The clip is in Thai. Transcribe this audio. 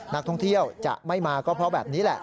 นักท่องเที่ยวจะไม่มาก็เพราะแบบนี้แหละ